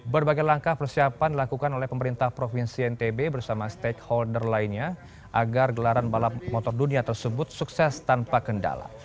berbagai langkah persiapan dilakukan oleh pemerintah provinsi ntb bersama stakeholder lainnya agar gelaran balap motor dunia tersebut sukses tanpa kendala